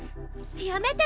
やめて！